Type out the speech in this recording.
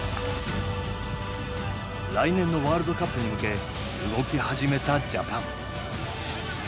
来年のワールドカップに向け動き始めたジャパン。